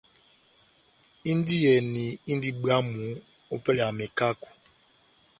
Indiyɛni indi bwámu ópɛlɛ ya mekako.